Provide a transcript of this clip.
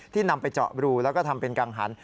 นำไปเจาะรูแล้วก็ทำเป็นกังหัน